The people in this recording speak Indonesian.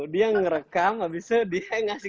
dia ngerekam abis itu dia ngasih